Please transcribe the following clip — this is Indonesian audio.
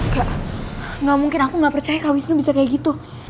kak gak mungkin aku gak percaya kak wisnu bisa kayak gitu